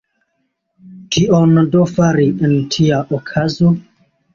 Kion do fari en tia okazo?